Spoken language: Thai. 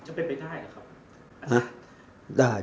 จะไปได้หรือครับ